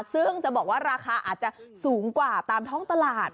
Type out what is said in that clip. ซึ่งจะบอกว่าราคาอาจจะสูงกว่าตามท้องตลาด